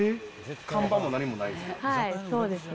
看板も何もないですね